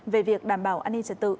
về việc đảm bảo an ninh trật tự